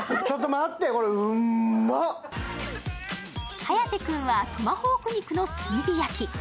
颯君はトマホーク肉の炭火焼き。